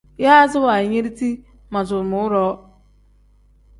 Yaazi wanyiridi manzulumuu-ro.